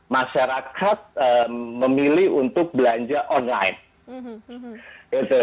masyarakat memilih untuk belanja online